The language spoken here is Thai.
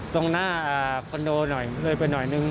ตรงหน้าคอนโดหน่อยเลยไปหน่อยนึง